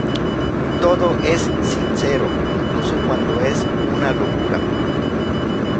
Todo es sincero incluso cuando es una locura".